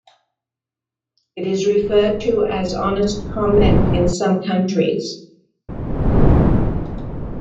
It is referred to as honest comment in some countries.